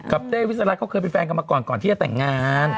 กับเจ้วิทยาลัยเขาเคยเป็นแฟนกันมาก่อนที่จะแต่งงาน